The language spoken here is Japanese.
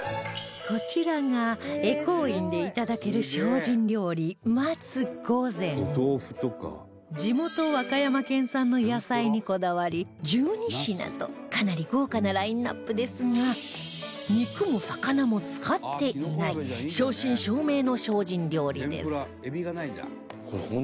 こちらが恵光院で頂ける地元和歌山県産の野菜にこだわり１２品とかなり豪華なラインアップですが肉も魚も使っていない正真正銘の精進料理です